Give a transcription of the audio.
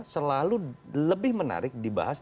selalu lebih menarik dibahas